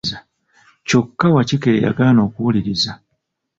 Kyokka Wakikere yagaana okuwuliriza.